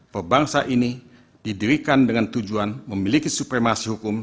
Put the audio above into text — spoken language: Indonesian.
pembangsa ini didirikan dengan tujuan memiliki supremasi